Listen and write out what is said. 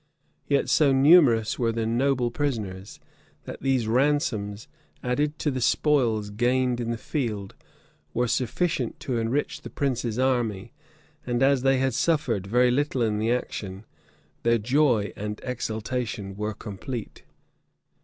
Yet so numerous were the noble prisoners, that these ransoms, added to the spoils gained in the field, were sufficient to enrich the prince's army; and as they had suffered very little in the action, their joy and exultation were complete.